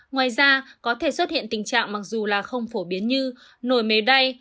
ngoài ra có thể xuất hiện tình trạng mặc dù là không phổ biến như nổi mề đay